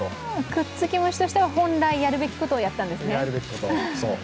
くっつき虫としては、本来やるべきことをやったんですね。